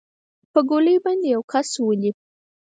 په ګولۍ باندې به يو كس ولې.